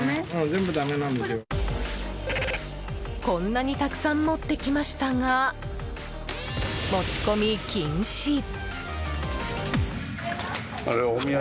こんなにたくさん持ってきましたが、持ち込み禁止。